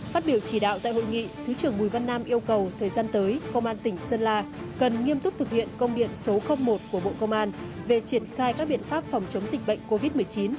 phát biểu chỉ đạo tại hội nghị thứ trưởng bùi văn nam yêu cầu thời gian tới công an tỉnh sơn la cần nghiêm túc thực hiện công điện số một của bộ công an về triển khai các biện pháp phòng chống dịch bệnh covid một mươi chín